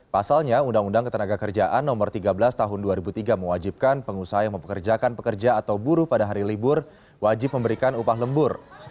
pasalnya undang undang ketenaga kerjaan no tiga belas tahun dua ribu tiga mewajibkan pengusaha yang mempekerjakan pekerja atau buruh pada hari libur wajib memberikan upah lembur